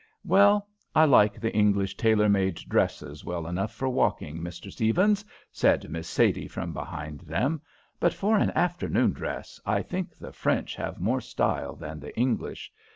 "Well, I like the English tailor made dresses well enough for walking, Mr. Stephens," said Miss Sadie from behind them. "But for an afternoon dress, I think the French have more style than the English.